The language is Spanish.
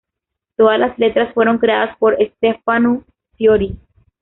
Todas las letras fueron creadas por Stefano Fiori.